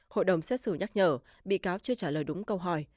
hội đồng xét xử nhắc nhở bị cáo chưa trả lời đúng câu hỏi